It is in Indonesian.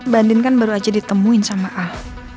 bandin kan baru aja ditemuin sama ah